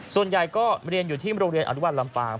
ส่วนใหญ่ก็เรียนอยู่ที่โรงเรียนอนุวัลลำปาง